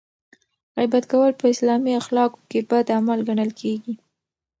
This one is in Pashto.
غیبت کول په اسلامي اخلاقو کې بد عمل ګڼل کیږي.